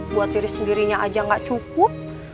buat diri sendirinya aja gak cukup